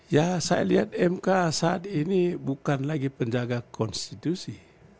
ya saya lihat mk saat ini bukan lagi penjaga konstitusi